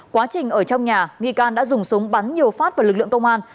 quá trình ở trong nhà nghi can đã dùng súng bắn nhiều phát vào lực lượng công an